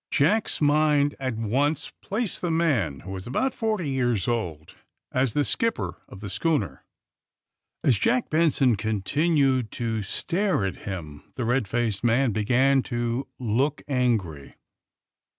Jack's mind at once placed the man, who was about forty years old, as the skipper of the schooner. 40 THE SUBMARINE BOYS As Jack Benson continued to stare at him the red faced man hegan to look angry.